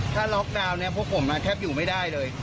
ถ้าล็อกดาวน์เนี่ยพวกผมแทบอยู่ไม่ได้เลย